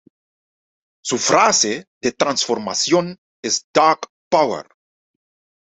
Su frase de transformación es Dark Power!